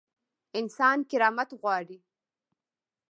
انسان کرامت غواړي